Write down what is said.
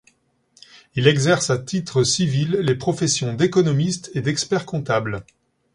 Il exerce à titre civil les professions d'économiste et d'expert comptable.